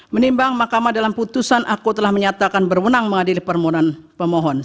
menimbang mahkamah dalam putusan aku telah menyatakan berwenang mengadili permohonan pemohon